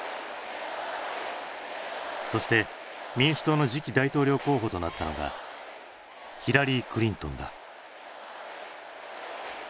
そして民主党の次期大統領候補となったのがヒラリー・クリントンだ。